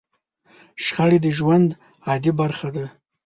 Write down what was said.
شخړې د ژوند عادي برخه ده.